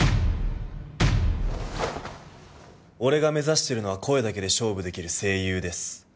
俺が目指してるのは声だけで勝負できる声優です